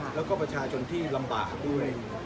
แล้วก็ประชาชนที่ลำบากด้วย